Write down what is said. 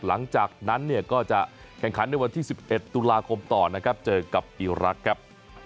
หลังจากนั้นเนี่ยก็จะแข่งขันในวันที่๑๑ตุลาคมต่อนะครับเจอกับอีรักษ์ครับ